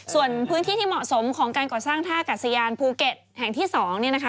ส่วนพื้นที่ที่เหมาะสมของการก่อสร้างท่ากัดสยานภูเก็ตแห่งที่๒เนี่ยนะคะ